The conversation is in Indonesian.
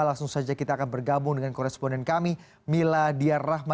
langsung saja kita akan bergabung dengan koresponden kami miladia rahma